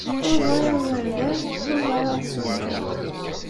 Ur bɣiɣ igerdan, ur bɣiɣ ad zewǧeɣ.